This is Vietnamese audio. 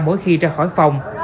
mỗi khi ra khỏi phòng